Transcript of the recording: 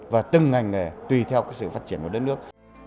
và từng ngành nghề tùy theo sự phát triển của đất nước